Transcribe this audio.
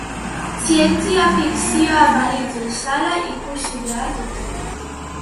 Zientzia fikzioa balitz bezala ikusi behar dute.